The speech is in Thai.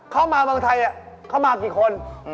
เข้ามาเมืองไทยเข้ามากี่คน